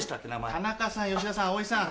田中さん吉田さん葵さん。